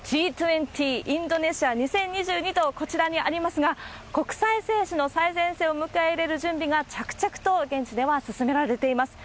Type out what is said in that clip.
インドネシア２０２２と、こちらにありますが、国際政治の最前線を迎え入れる準備が、着々と現地では進められています。